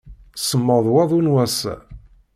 Semmeḍ waḍu n wass-a.